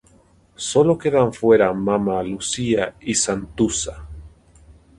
Solo quedan fuera Mamma Lucia y Santuzza.